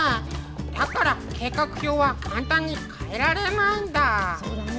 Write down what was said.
だから計画表は簡単に変えられないんだ。